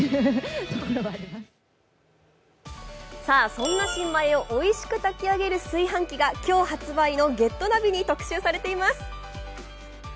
そんな新米をおいしく炊き上げる炊飯器が今日発売の「ＧｅｔＮａｖｉ」に特集されています。